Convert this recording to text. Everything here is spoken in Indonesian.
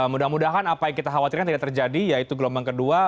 mudah mudahan apa yang kita khawatirkan tidak terjadi yaitu gelombang kedua